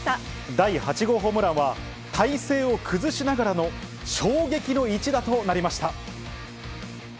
第８号ホームランは、体勢を崩しながらの衝撃の一打となりました。